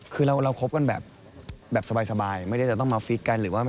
ก็คิดว่า